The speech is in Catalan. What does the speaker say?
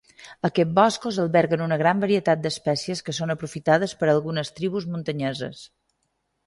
Aquests boscos alberguen una gran varietat d'espècies que són aprofitades per algunes tribus muntanyeses.